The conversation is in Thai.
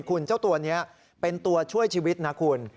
คุณเจ้าตัวนี้เป็นตัวช่วยชีวิตนะคุณ